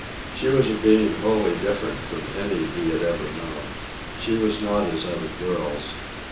She was a being wholly different from any he had ever known. She was not as other girls.